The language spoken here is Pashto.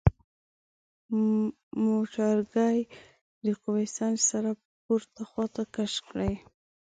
موټرګی د قوه سنج سره پورته خواته کش کړئ.